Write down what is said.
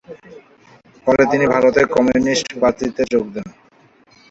পরে তিনি ভারতের কমিউনিস্ট পার্টিতে যোগ দেন।